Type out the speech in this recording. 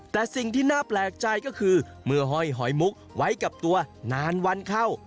แต่สิ่งที่น่าแปลกใจก็คือเมื่อห้อยหอยมุกไว้กับตัวนานวันเข้า